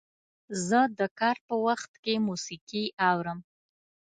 زه د کار په وخت کې موسیقي اورم.